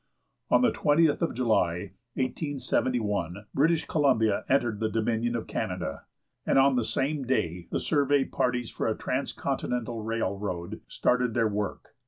On the 20th of July, 1871, British Columbia entered the Dominion of Canada, and on the same day the survey parties for a transcontinental railroad started their work.